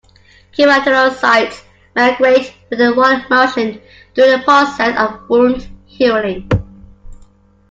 Keratinocytes migrate with a rolling motion during the process of wound healing.